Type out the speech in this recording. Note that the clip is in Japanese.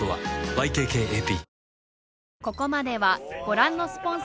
ＹＫＫＡＰ